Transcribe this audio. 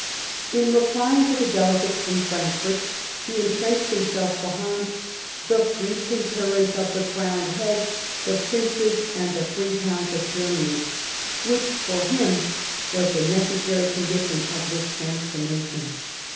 In replying to the delegates from Frankfort, he entrenched himself behind " the free concurrence of the crowned heads, the Princes, and the Free Towns of Germany," which for him was the neces sary condition of this transformation.